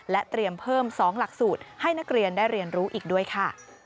เตรียมเพิ่ม๒หลักสูตรให้นักเรียนได้เรียนรู้อีกด้วยค่ะ